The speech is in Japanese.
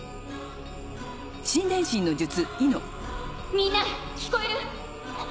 みんな聞こえる？